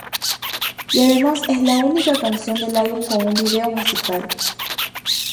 Y además es la única canción del álbum con un video musical.